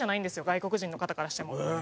外国人の方からしても。